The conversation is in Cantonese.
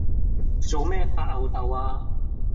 做咩發漚豆呀？